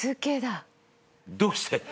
どうして？